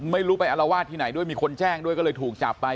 ไม่รู้ไปอารวาสที่ไหนด้วยมีคนแจ้งด้วยก็เลยถูกจับไป